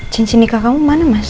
cincin nikah kamu mana mas